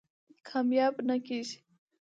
کامیاب نه کېږي.